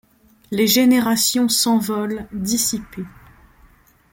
Les générations s’envolent dissipées.